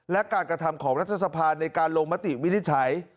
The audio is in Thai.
และการกระทำของรัฐสภาในการลงมติวินิจฉัย